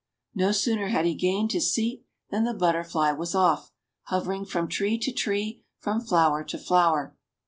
No sooner had he gained his seat than the butterfly was off, hovering from tree to tree, from flower to flower.